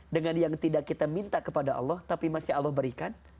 dengan yang tidak kita minta kepada allah tapi masih allah berikan